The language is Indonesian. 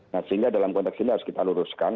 nah sehingga dalam konteks ini harus kita luruskan